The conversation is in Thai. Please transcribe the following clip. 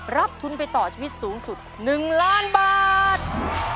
รับทุนไปต่อชีวิตสูงสุด๑ล้านบาท